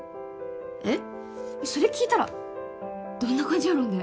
えっそれ聴いたらどんな感じやろうね？